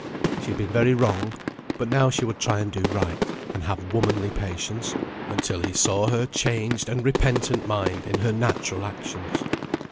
She had been very wrong, but now she would try and do right, and have womanly patience, until he saw her changed and repentant mind in her natural actions.